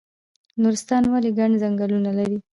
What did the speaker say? نورستان ولې ګڼ ځنګلونه لري؟